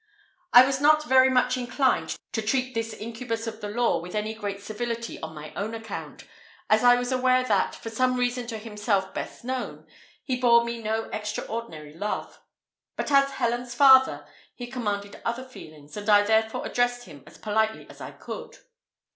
I was not very much inclined to treat this incubus of the law with any great civility on my own account, as I was aware that, for some reason to himself best known, he bore me no extraordinary love; but as Helen's father, he commanded other feelings, and I therefore addressed him as politely as I could.